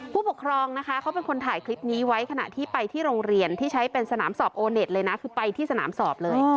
ผู้ปกครองนะคะเขาเป็นคนถ่ายคลิปนี้ไว้ขณะที่ไปที่โรงเรียนที่ใช้เป็นสนามสอบโอเน็ตเลยนะคือไปที่สนามสอบเลย